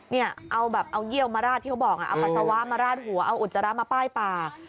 เนี่ยเอาแบบเอาเยี่ยวมาราดที่เขาบอกเอาปัสสาวะมาราดหัวเอาอุจจาระมาป้ายปาก